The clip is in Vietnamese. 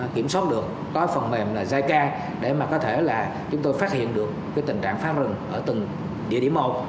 kiểm soát được có phần mềm là zyka để chúng tôi có thể phát hiện được tình trạng phá rừng ở từng địa điểm một